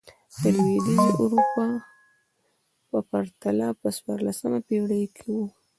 دا د لوېدیځې اروپا په پرتله په څوارلسمه پېړۍ کې و.